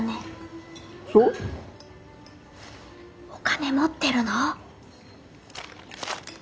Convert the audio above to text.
お金持ってるの？